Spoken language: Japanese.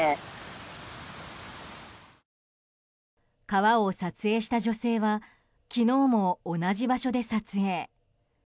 川を撮影した女性は昨日も同じ場所で撮影。